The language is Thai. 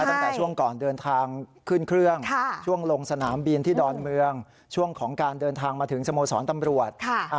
ตั้งแต่ช่วงก่อนเดินทางขึ้นเครื่องช่วงลงสนามบินที่ดอนเมืองช่วงของการเดินทางมาถึงสโมสรตำรวจ